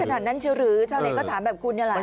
ขนาดนั้นเชียวหรือชาวเน็ตก็ถามแบบคุณนี่แหละ